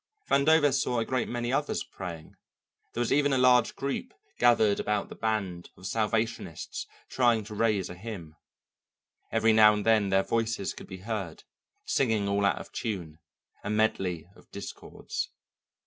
Vandover saw a great many others praying; there was even a large group gathered about the band of Salvationists trying to raise a hymn. Every now and then their voices could be heard, singing all out of tune, a medley of discords.